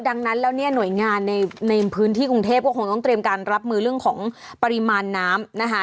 ดังนั้นแล้วเนี่ยหน่วยงานในพื้นที่กรุงเทพก็คงต้องเตรียมการรับมือเรื่องของปริมาณน้ำนะคะ